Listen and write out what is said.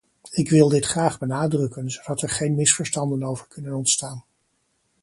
Ik wil dit graag benadrukken, zodat er geen misverstanden over kunnen ontstaan.